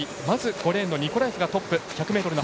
５レーンのニコラエフがトップ。